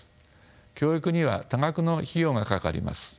教育には多額の費用がかかります。